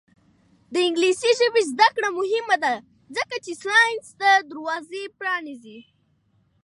د انګلیسي ژبې زده کړه مهمه ده ځکه چې ساینس ته دروازه پرانیزي.